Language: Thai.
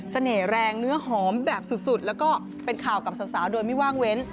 แรงเนื้อหอมแบบสุดแล้วก็เป็นข่าวกับสาวโดยไม่ว่างเว้น